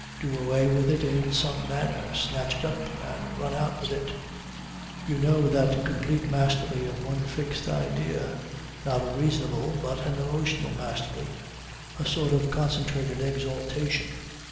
Do away with it in some manner. Snatch it up and run out with it. You know that complete mastery of one fixed idea, not a reasonable but an emotional mastery, a sort of concentrated exaltation.